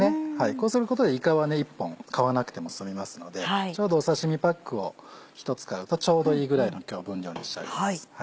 こうすることでいかは１本買わなくても済みますのでちょうど刺身パックを１つ買うとちょうどいいぐらいの今日分量にしたいと思います。